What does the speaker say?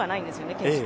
決して。